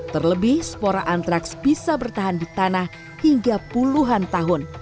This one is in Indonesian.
terlebih spora antraks bisa bertahan di tanah hingga puluhan tahun